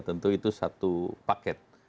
tentu itu satu paket